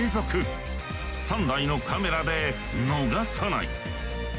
３台のカメラで逃がさない！